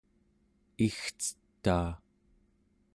igcetaa